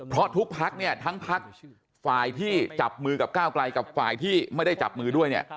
เพราะทุกพักเนี่ยทั้งพักฝ่ายที่จับมือกับก้าวไกลกับฝ่ายที่ไม่ได้จับมือด้วยเนี่ย